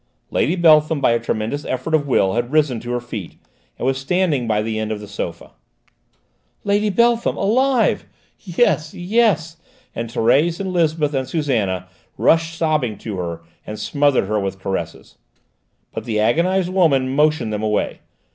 Lady Beltham by a tremendous effort of will had risen to her feet, and was standing by the end of the sofa. "Lady Beltham! Alive! Yes, yes!" and Thérèse and Lisbeth and Susannah rushed sobbing to her, and smothered her with caresses. But the agonised woman motioned them away.